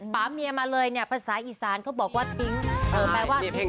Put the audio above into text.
ป่าเมียมาเลยเนี่ยภาษาอีสานเขาบอกว่าทิ้งแปลว่าทิ้งเมียมาเลย